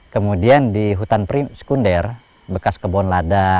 kemudian di hutan sekunder bekas kebon lada